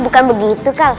bukan begitu kan